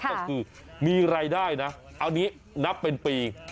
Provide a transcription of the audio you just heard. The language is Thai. ก็คือมีรายได้นะเอานี้นับเป็นปี